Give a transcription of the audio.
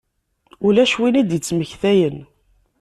Ulac win i d-ittmektayen.